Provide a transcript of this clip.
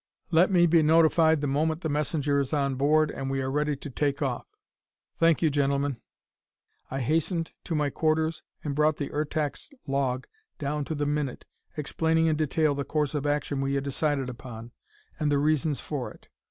Let me be notified the moment the messenger is on board and we are ready to take off. Thank you, gentlemen!" I hastened to my quarters and brought the Ertak's log down to the minute, explaining in detail the course of action we had decided upon, and the reasons for it.